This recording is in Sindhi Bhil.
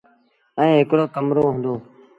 ائيٚݩ هڪڙو ڪمرو هُݩدو ۔